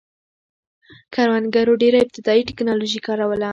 کروندګرو ډېره ابتدايي ټکنالوژي کاروله